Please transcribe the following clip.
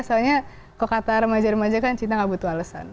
soalnya kok kata remaja remaja kan cinta nggak butuh alesan